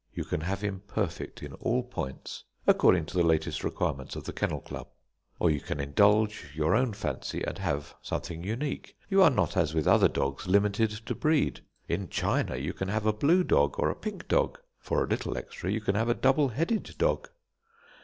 You can have him perfect in all points, according to the latest requirements of the Kennel Club; or you can indulge your own fancy and have something unique. You are not, as with other dogs, limited to breed. In china, you can have a blue dog or a pink dog. For a little extra, you can have a double headed dog.